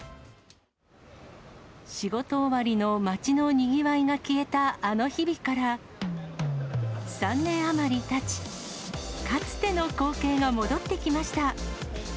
仕事終わりの街のにぎわいが消えたあの日々から３年余りたち、かつての光景が戻ってきました。